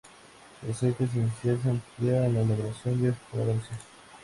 Su aceite esencial se emplea en la elaboración de fragancias.